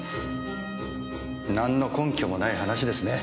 なんの根拠もない話ですね。